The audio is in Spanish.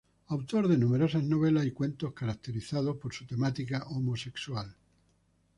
Autor de numerosas novelas y cuentos caracterizados por su temática homosexual.